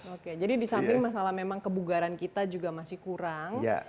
oke jadi di samping masalah memang kebugaran kita juga masih kurang